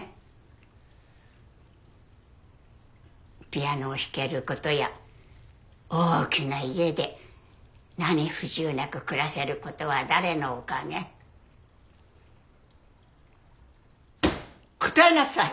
ピアノを弾けることや大きな家で何不自由なく暮らせることは誰のおかげ？答えなさい！